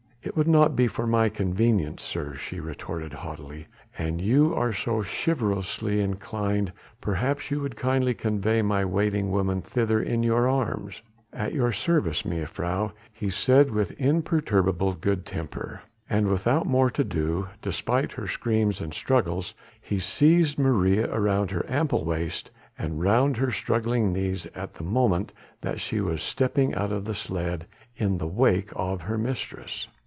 "It would not be for my convenience, sir," she retorted haughtily, "an you are so chivalrously inclined perhaps you would kindly convey my waiting woman thither in your arms." "At your service, mejuffrouw," he said with imperturbable good temper. And without more ado, despite her screams and her struggles, he seized Maria round her ample waist and round her struggling knees at the moment that she was stepping out of the sledge in the wake of her mistress.